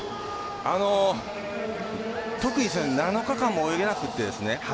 特にですね７日間も泳げなくてですね